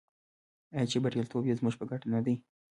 آیا چې بریالیتوب یې زموږ په ګټه نه دی؟